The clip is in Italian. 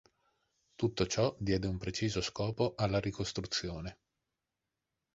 Tutto ciò diede un preciso scopo alla ricostruzione.